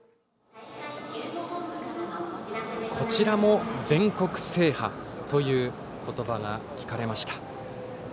こちらも全国制覇という言葉が聞かれました。